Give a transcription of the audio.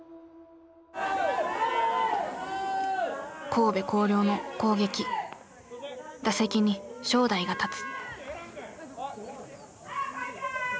神戸弘陵の攻撃打席に正代が立つ。